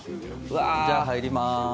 じゃあ入ります。